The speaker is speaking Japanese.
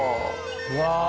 うわ。